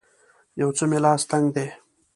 یو څه مې لاس تنګ دی